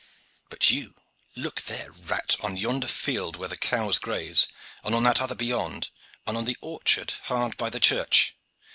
But you! Look there, rat, on yonder field where the cows graze, and on that other beyond, and on the orchard hard by the church.